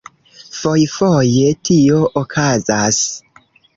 Fojfoje tio okazas.